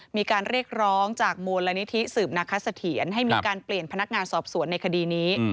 มีการเรียกร้องจากมูลนิธิสืบนาคสะเทียนให้มีการเปลี่ยนพนักงานสอบสวนในคดีนี้